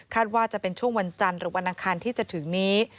ว่าจะเป็นช่วงวันจันทร์หรือวันอังคารที่จะถึงนี้